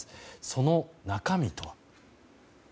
その中身とは。